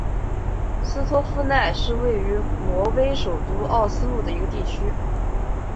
斯托夫奈是位于挪威首都奥斯陆的一个地区。